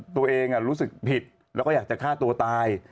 รู้สึกผิดแล้วก็อยากจะฆ่าตัวตาย